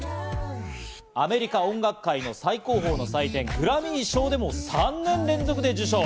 アメリカ音楽界の最高峰の祭典・グラミー賞でも３年連続で受賞。